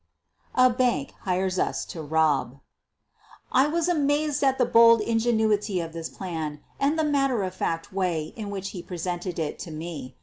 A BANKER HIRES US TO ROB I was amazed at the bold ingenuity of this plan and the matter of fact way in which he presented it ' to me.